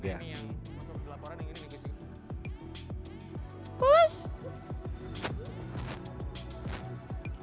ini yang masuk ke laporan ini kucing